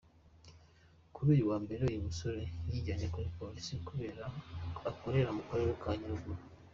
Kuri uyu wa Mbere uyu musore yijyanye kuri Polisi ikorera mu Karere ka Nyaruguru.